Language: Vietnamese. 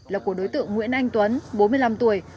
là của đối tượng nguyễn anh tuấn bốn mươi năm tuổi